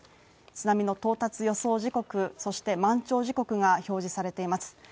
津波の到達予想時刻、そして満潮時刻が表示されています。